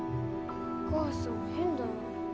お母さん変だよ。